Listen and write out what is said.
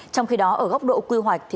trong khi đó ở góc độ quy hoạch